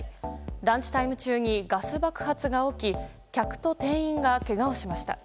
ランチタイム中にガス爆発が起き客と店員がけがをしました。